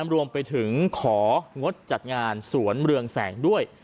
รวมไปถึงของงดจัดงานสวนเรืองแสงด้วย